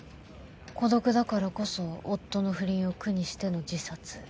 孤独だからこそ夫の不倫を苦にしての自殺。